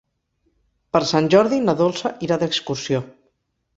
Per Sant Jordi na Dolça irà d'excursió.